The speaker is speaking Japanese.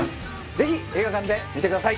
ぜひ映画館で見てください！